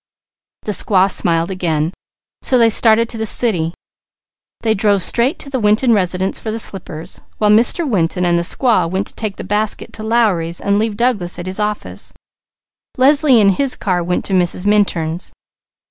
The squaw smiled again, so they started to the city. They drove straight to the Winton residence for the slippers. While Mr. Winton and the squaw went to take the baskets to Lowry's and leave Douglas at his office, Leslie in his car went to Mrs. Minturn's.